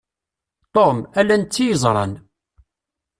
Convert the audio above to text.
Tom, ala netta i yeẓran.